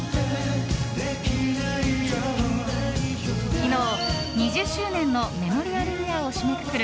昨日、２０周年のメモリアルイヤーを締めくくる